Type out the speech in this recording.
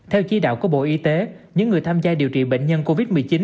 theo chỉ đạo của bộ y tế những người tham gia điều trị bệnh nhân covid một mươi chín